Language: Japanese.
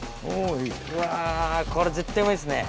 うわこれ絶対うまいですね。